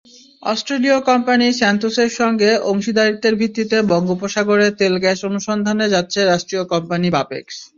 অস্ট্রেলীয় কোম্পানি স্যান্তোসের সঙ্গে অংশীদারত্বের ভিত্তিতে বঙ্গোপসাগরে তেল-গ্যাস অনুসন্ধানে যাচ্ছে রাষ্ট্রীয় কোম্পানি বাপেক্স।